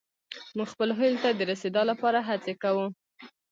موږ خپلو هيلو ته د رسيدا لپاره هڅې کوو.